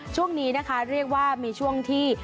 ช่วงนี้นะคะเรียกว่ามีช่วงที่